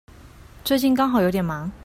最近剛好有點忙